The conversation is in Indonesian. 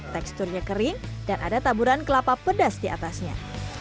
teksturnya kering dan ada taburan kelapa pedas di atasnya